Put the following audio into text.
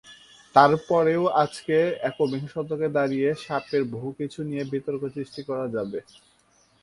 তারপরেও আজকে- একবিংশ শতকে দাঁড়িয়ে স্যাপোর বহুকিছু নিয়েই বিতর্ক সৃষ্টি করা যাবে।